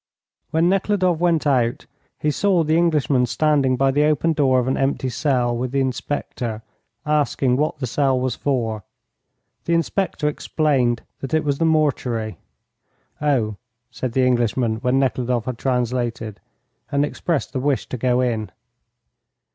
When Nekhludoff went out he saw the Englishman standing by the open door of an empty cell with the inspector, asking what the cell was for. The inspector explained that it was the mortuary. "Oh," said the Englishman when Nekhludoff had translated, and expressed the wish to go in.